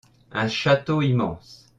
Un château immense.